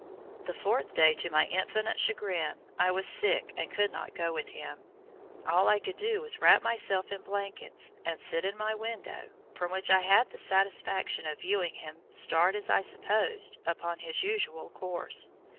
The fourth day to my infinite chagrin, I was sick and could not go with him. All I could do was to wrap myself in blankets and sit in my window from which I had the satisfaction of viewing him start as I supposed upon his usual course.